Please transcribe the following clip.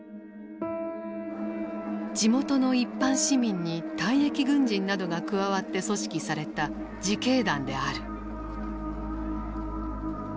地元の一般市民に退役軍人などが加わって組織された自警団である。